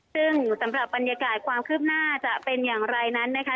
ซึ่งสำหรับบรรยากาศความคืบหน้าจะเป็นอย่างไรนั้นนะคะ